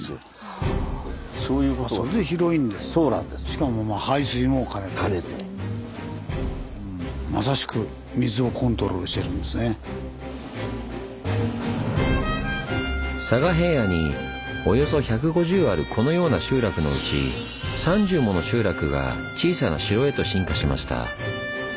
しかもまさしく佐賀平野におよそ１５０あるこのような集落のうち３０もの集落が「小さな城」へと進化しました。